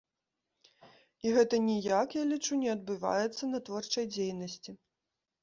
І гэта ніяк, я лічу, не адбіваецца на творчай дзейнасці.